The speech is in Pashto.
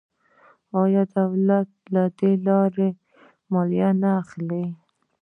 آیا دولت له دې لارې مالیه نه اخلي؟